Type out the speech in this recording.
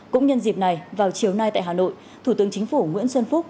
cũng nhân dịp này vào chiều nay tại hà nội thủ tướng chính phủ nguyễn xuân phúc